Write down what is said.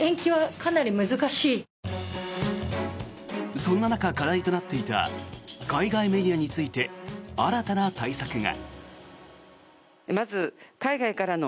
そんな中、課題となっていた海外メディアについて新たな対策が。